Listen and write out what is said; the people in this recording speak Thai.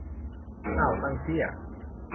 อ่าวตังเกี๋ย